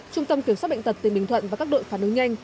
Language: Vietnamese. trung tâm kiểm soát bệnh tật tỉnh bình thuận và các đội phản ứng nhanh